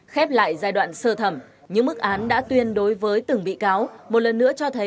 khép lại giai đoạn sơ thẩm những mức án đã tuyên đối với từng bị cáo